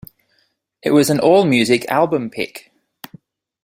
It was an AllMusic 'Album Pick'.